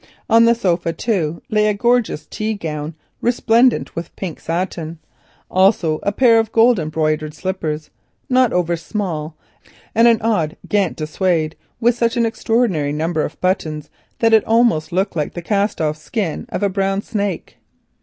On the sofa, too, lay a gorgeous tea gown resplendent with pink satin, also a pair of gold embroidered slippers, not over small, and an odd gant de Suede, with such an extraordinary number of buttons that it almost looked like the cast off skin of a brown snake.